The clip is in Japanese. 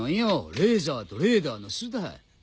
レーザーとレーダーの巣だ。